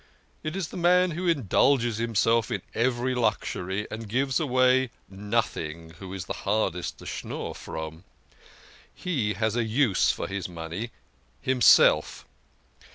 It is the man who indulges himself in every luxury and gives away nothing who is the hardest to schnorr from. He has a use for his money himself